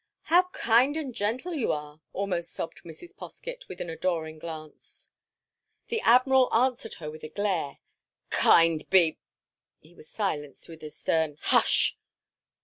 "How kind and gentle you are," almost sobbed Mrs. Poskett, with an adoring glance. The Admiral answered her with a glare. "Kind be—" he was silenced by a stern "Hush!"